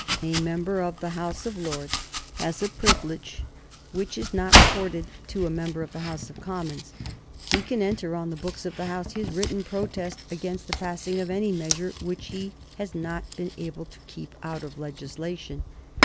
A member of the House of Lords has a privilege which is not accorded to a member of the House of Commons he can enter on the books of the House his written protest against the passing of any measure which he has not been able to keep out of legislation.